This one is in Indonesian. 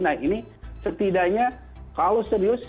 nah ini setidaknya kalau serius